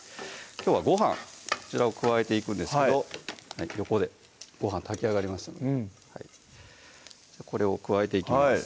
きょうはご飯こちらを加えていくんですけど横でご飯炊き上がりましたのでうんこれを加えていきます